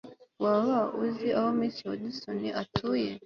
waba uzi aho miss hudson atuye